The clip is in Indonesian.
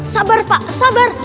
sabar pak sabar